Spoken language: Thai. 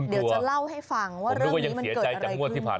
เดี๋ยวจะเล่าให้ฟังว่าเรื่องนี้มันเกิดอะไรขึ้น